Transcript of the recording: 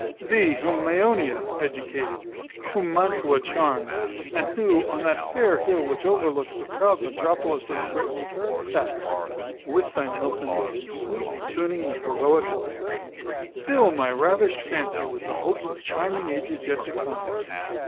Thee, whom Maeonia educated, whom Mantua charmed, and who, on that fair hill which overlooks the proud metropolis of Britain, sat'st, with thy Milton, sweetly tuning the heroic lyre; fill my ravished fancy with the hopes of charming ages yet to come.